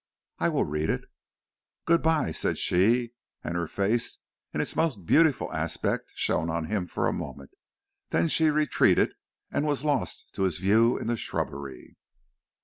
"I will read it." "Good by," said she; and her face in its most beautiful aspect shone on him for a moment; then she retreated, and was lost to his view in the shrubbery.